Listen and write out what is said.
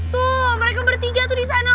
tuh mereka bertiga tuh disana om